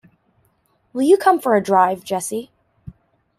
Will you come for a drive, Jessie?